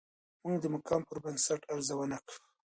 موږ د مقام پر بنسټ ارزونه کوو.